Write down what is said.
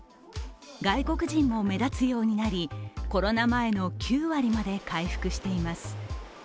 外国人も目立つようになりコロナ前の９割まで回復しています。